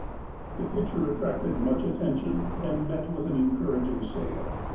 The picture attracted much attention and met with an encour aging sale.